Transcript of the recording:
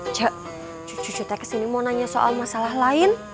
cu cucu cucu tanya kesini mau nanya soal masalah lain